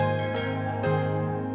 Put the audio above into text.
aku mau ke rumah